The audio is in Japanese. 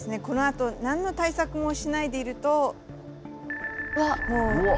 このあと何の対策もしないでいると。